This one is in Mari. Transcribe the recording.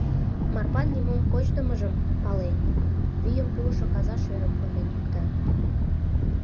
Марпан нимом кочдымыжым пален, вийым пуышо каза шӧрым конден йӱкта.